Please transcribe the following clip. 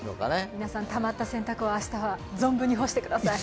皆さん、たまった洗濯物、存分に干してください。